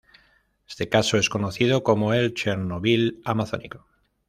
Este caso es conocido como el "Chernobyl Amazónico".